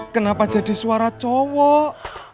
kenapa jadi suara cowok